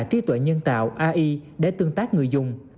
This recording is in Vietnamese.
trí tuệ nhân tạo để tương tác người dùng